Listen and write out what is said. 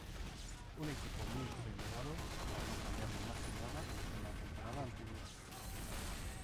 Un equipo muy renovado logró cambiar la imagen dada en la temporada anterior.